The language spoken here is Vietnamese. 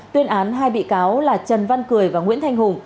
tuyên án hai bị cáo là trần văn cười và nguyễn thanh hùng